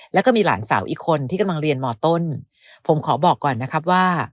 แล้วก็มีหลานสาวอีกคนที่กำลังเรียนมต้นผมขอบอกก่อนนะครับว่า